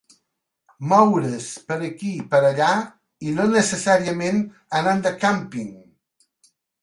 Moure's per aquí per allà, i no necessàriament anant de càmping.